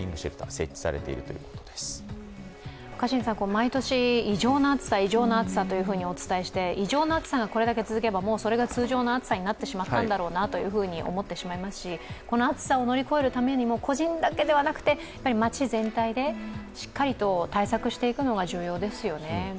毎年、異常な暑さ、異常な暑さとお伝えして、異常な暑さがこれだけ続けば、それが通常の暑さになってしまったんだなと思いますしこの暑さを乗り越えるためにも個人だけではなくて町全体でしっかりと対策していくのが重要ですよね。